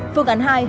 phương án hai